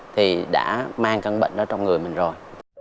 thì đã mang căn bệnh đó trong người mình rồi